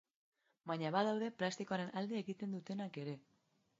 Baina badaude plastikoaren alde egiten dutenak ere.